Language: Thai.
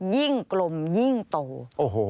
ยิ่งกลมยิ่งโต